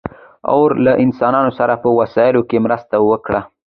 اور له انسانانو سره په وسایلو کې مرسته وکړه.